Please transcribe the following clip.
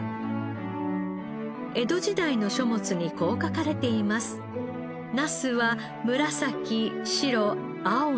江戸時代の書物にこう書かれています。